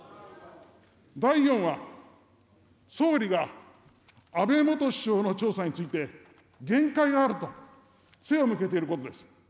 第４は、総理が安倍元首相の調査について、限界があると背を向けていることです。